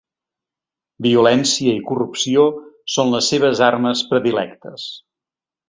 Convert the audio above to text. Violència i corrupció són les seves armes predilectes.